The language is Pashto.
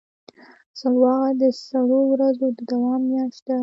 سلواغه د سړو ورځو د دوام میاشت ده.